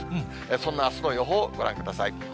そんなあすの予報、ご覧ください。